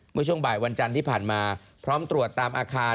เมื่อช่วงบ่ายวันจันทร์ที่ผ่านมาพร้อมตรวจตามอาคาร